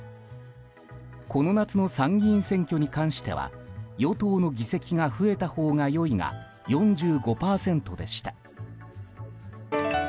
この夏の参議院選挙に関しては与党の議席が増えたほうが良いが４５％でした。